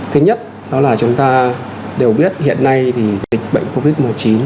thứ nhất đó là chúng ta đều biết hiện nay thì dịch bệnh covid một mươi chín